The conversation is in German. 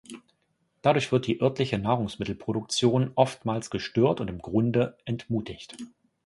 Dadurch wird die örtliche Nahrungsmittelproduktion oftmals gestört und im Grunde entmutigt.